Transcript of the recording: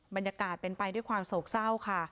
บรรยากาศเป็นไปด้วยความโศกเศร้าค่ะ